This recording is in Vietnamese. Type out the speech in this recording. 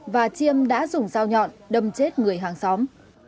và chiêm đã dùng dao nhọn đâm chết người hàng xóm